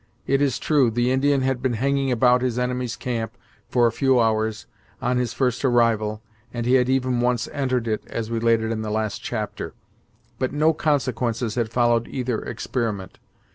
It is true, the Indian had been hanging about his enemy's camp for a few hours, on his first arrival, and he had even once entered it, as related in the last chapter, but no consequences had followed either experiment.